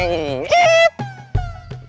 masaan di artis nang department